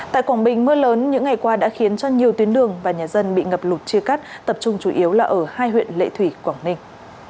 tại quảng bình mưa lớn những ngày qua đã khiến cho nhiều tuyến đường và nhà dân bị ngập lụt chia cắt tập trung chủ yếu là ở hai huyện lệ thủy quảng ninh